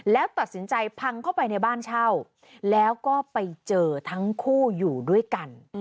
แล้วตัดสินใจพังเข้าไปในบ้านเช่าแล้วก็ไปเจอทั้งคู่อยู่ด้วยกัน